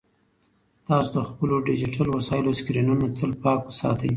تاسو د خپلو ډیجیټل وسایلو سکرینونه تل پاک ساتئ.